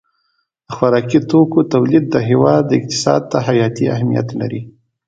د خوراکي توکو تولید د هېواد اقتصاد ته حیاتي اهمیت لري.